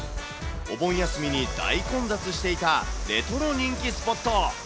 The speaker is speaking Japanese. お盆休みに大混雑していたレトロ人気スポット。